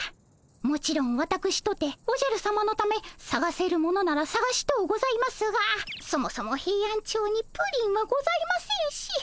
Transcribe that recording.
もちろんわたくしとておじゃるさまのためさがせるものならさがしとうございますがそもそもヘイアンチョウにプリンはございませんし。